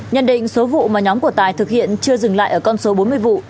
nhận định số vụ mà nhóm của tài thực hiện chưa dừng lại ở con số bốn mươi vụ